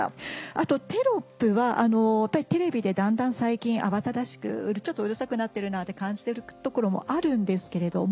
あとテロップはテレビで段々最近慌ただしくちょっとうるさくなってるなって感じてるところもあるんですけれども。